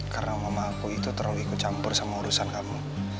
karena mama aku itu terlalu ikut campur sama urusan kamu